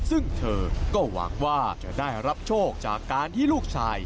ซึ่งเธอก็หวังว่าจะได้รับโชคจากการที่ลูกชาย